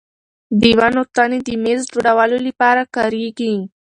د ونو تنې د مېز جوړولو لپاره کارېږي.